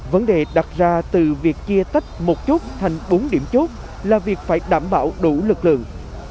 vấn đề đặt ra từ việc chia tách một chút thành bốn điểm chốt là việc phải đảm bảo đủ lực lượng